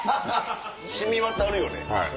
染み渡るよね。